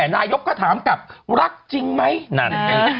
นายกก็ถามกลับรักจริงไหมนั่นไง